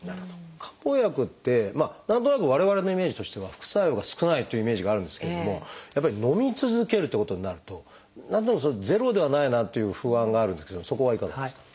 漢方薬って何となく我々のイメージとしては副作用が少ないというイメージがあるんですけれどもやっぱりのみ続けるっていうことになると何となくゼロではないなっていう不安があるんですけどそこはいかがですか？